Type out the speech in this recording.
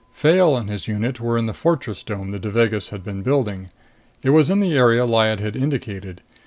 Fayle and his unit were in the fortress dome the Devagas had been building. It was in the area Lyad had indicated.